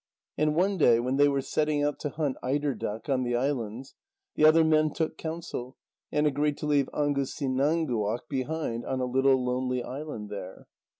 And one day, when they were setting out to hunt eider duck on the islands, the other men took counsel, and agreed to leave Angusinãnguaq behind on a little lonely island there.